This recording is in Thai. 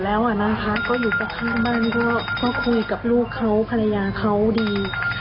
แล้วอะนะคะก็อยู่ข้างบ้านก็คุยกับลูกเขาภรรยาเขาดี